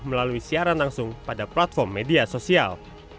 melalui siaran langsung pada platform media sosial